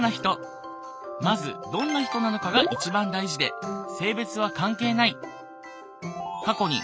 まずどんな人なのかが一番大事で性別は関係ない。